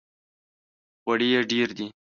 غوړي یې ډېر دي!